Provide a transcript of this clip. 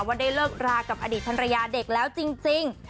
ว่าได้เลิกรากับอดีตภรรยาเด็กแล้วจริง